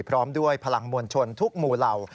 พร้อมด้วยพลังมวลชนทุกหมู่เหล่า